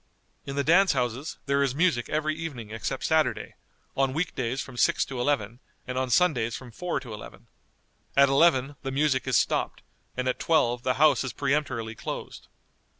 In the dance houses there is music every evening except Saturday; on week days from six to eleven, and on Sundays from four to eleven. At eleven the music is stopped, and at twelve the house is peremptorily closed.